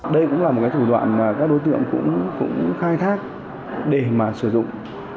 đây cũng là một cái thủ đoạn mà các đối tượng cũng khai thác để mà sử dụng